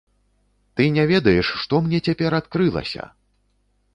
Ты не ведаеш, што мне цяпер адкрылася!